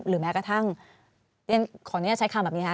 หรือแม้กระทั่งของเนี่ยใช้คำแบบนี้ค่ะ